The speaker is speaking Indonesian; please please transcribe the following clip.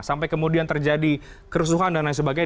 sampai kemudian terjadi kerusuhan dan lain sebagainya